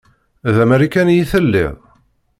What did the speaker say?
D amarikani i telliḍ?